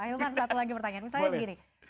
ayo kan satu lagi pertanyaan misalnya begini